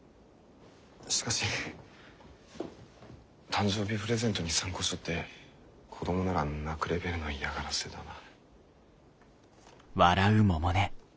しかし誕生日プレゼントに参考書って子供なら泣くレベルの嫌がらせだな。